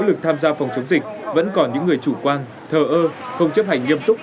lực tham gia phòng chống dịch vẫn còn những người chủ quan thờ ơ không chấp hành nghiêm túc